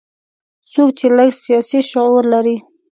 څوک چې لږ سیاسي شعور لري.